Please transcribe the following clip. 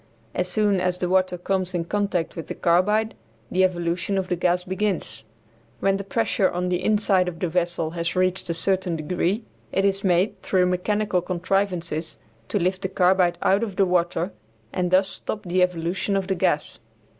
As soon as the water comes in contact with the carbide the evolution of the gas begins. When the pressure on the inside of the vessel has reached a certain degree it is made, through mechanical contrivances, to lift the carbide out of the water and thus stop the evolution of the gas.